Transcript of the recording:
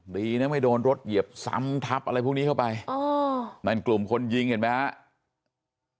ดีนะไม่โดนรถเหยียบซ้ำทับอะไรพวกนี้เข้าไปอ๋อนั่นกลุ่มคนยิงเห็นไหมครับ